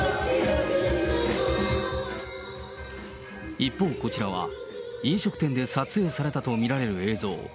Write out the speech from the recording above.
一方、こちらは飲食店で撮影されたと見られる映像。